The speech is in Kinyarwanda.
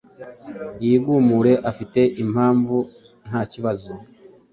yigumure afite impamvu ntakibazo.